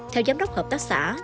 theo giám đốc hợp tác xã